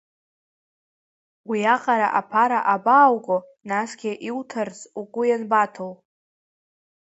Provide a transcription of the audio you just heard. Уиаҟара аԥара абаауго, насгьы иуҭарц угәы ианбаҭоу?